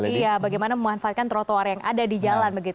iya bagaimana memanfaatkan trotoar yang ada di jalan